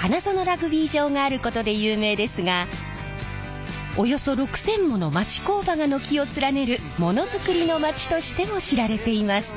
花園ラグビー場があることで有名ですがおよそ６，０００もの町工場が軒を連ねるモノづくりのまちとしても知られています。